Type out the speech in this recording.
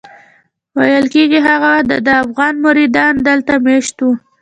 ویل کېږي هغه وخت دده افغان مریدان دلته مېشت وو.